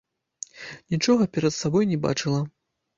Нічога перад сабой не бачыла.